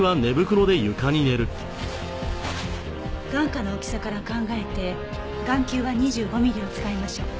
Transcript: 眼窩の大きさから考えて眼球は２５ミリを使いましょう。